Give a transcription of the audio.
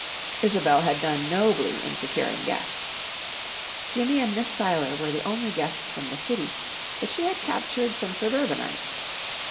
Isobel had done nobly in securing guests. Jimmy and Miss Seiler were the only guests from the city, but she had captured some suburbanites.